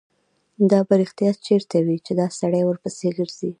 دا به رښتیا چېرته وي چې دا سړی ورپسې ګرځي.